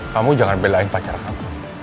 kamu jangan belain pacar kamu